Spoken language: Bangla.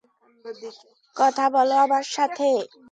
কথা বলো আমার সাথে!